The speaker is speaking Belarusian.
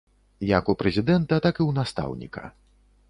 Як у прэзідэнта, так і ў настаўніка.